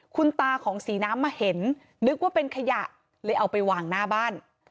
คุณตาของศรีน้ำมาเห็นนึกว่าเป็นขยะเลยเอาไปวางหน้าบ้าน